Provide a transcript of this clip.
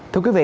thưa quý vị